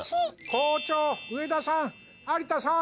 校長上田さん